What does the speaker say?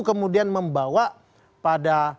kemudian membawa pada